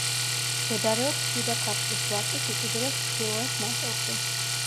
მდებარეობს შიდა ქართლის ვაკის უკიდურეს ჩრდილოეთ ნაწილში.